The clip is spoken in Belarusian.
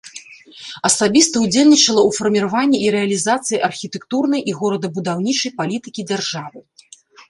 Асабіста ўдзельнічала ў фарміраванні і рэалізацыі архітэктурнай і горадабудаўнічай палітыкі дзяржавы.